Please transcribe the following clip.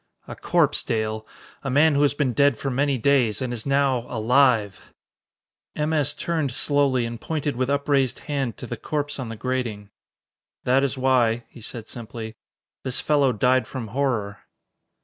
A corpse, Dale. A man who has been dead for many days, and is now alive!" M. S. turned slowly and pointed with upraised hand to the corpse on the grating. "That is why," he said simply, "this fellow died from horror."